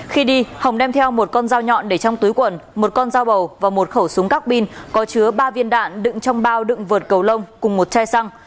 khi đi hồng đem theo một con dao nhọn để trong túi quần một con dao bầu và một khẩu súng các bin có chứa ba viên đạn đựng trong bao đựng vượt cầu lông cùng một chai xăng